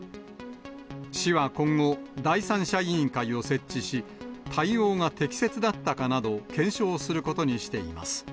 市は今後、第三者委員会を設置し、対応が適切だったかなど、検証することにしています。